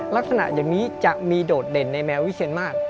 ลักษณะอย่างนี้จะมีโดดเด่นในแมววิเชียนมาก